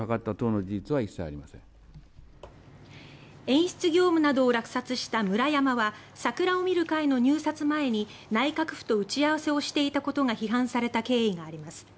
演出業務などを落札したムラヤマは桜を見る会の入札前に内閣府と打ち合わせをしていたことが批判された経緯があります。